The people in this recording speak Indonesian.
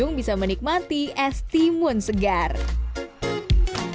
sedih mengambil dosa newteintegrated